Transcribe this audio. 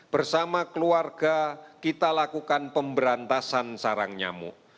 bersama keluarga kita lakukan pemberantasan sarang nyamuk